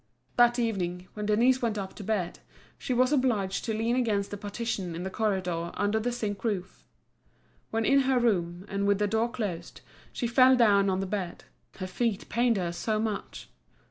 That evening, when Denise went up to bed, she was obliged to lean against the partition in the corridor under the zinc roof. When in her room, and with the door closed, she fell down on the bed; her feet pained her so much.